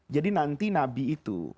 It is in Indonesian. jadi nanti nabi itu